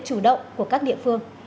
chủ động của các địa phương